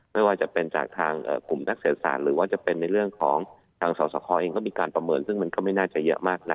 ไม่ว่าจะเป็นจากทางกลุ่มนักเศรษฐศาสตร์หรือว่าจะเป็นในเรื่องของทางสสคเองก็มีการประเมินซึ่งมันก็ไม่น่าจะเยอะมากนะ